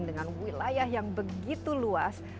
dengan wilayah yang begitu luas